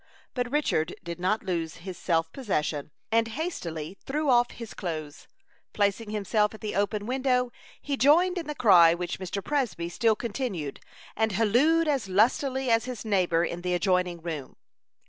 But Richard did not lose his self possession, and hastily threw off his clothes. Placing himself at the open window, he joined in the cry which Mr. Presby still continued, and hallooed as lustily as his neighbor in the adjoining room.